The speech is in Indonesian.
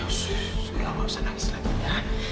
ya sus nggak usah nangis lagi ya